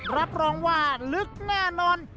รับรองว่าลึกแน่นอน